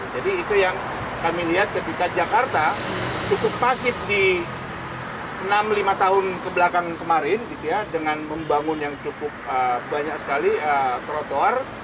jadi itu yang kami lihat ketika jakarta cukup pasif di enam lima tahun kebelakangan kemarin gitu ya dengan membangun yang cukup banyak sekali trotoar